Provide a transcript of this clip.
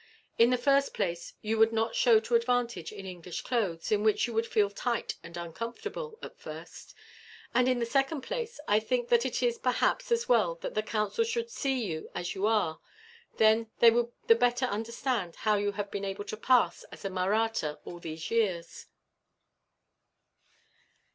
In the first place, you would not show to advantage in English clothes, in which you would feel tight and uncomfortable, at first; and in the second place, I think that it is perhaps as well that the Council should see you as you are, then they would the better understand how you have been able to pass as a Mahratta, all these years.